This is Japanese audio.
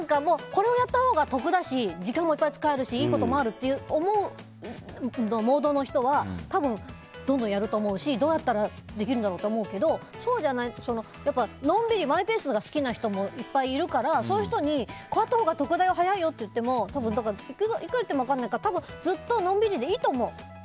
これをやったほうが得だし時間もいっぱい使えるしいいこともあるって思うモードの人は多分、どんどんやるだろうしどうしたらできるだろうって思うだろうけどのんびりマイペースなほうが好きな人もいっぱいいるからそういう人にこうやったほうが得だよ早いよっていくら言っても分からないから多分、ずっとのんびりでいいと思う！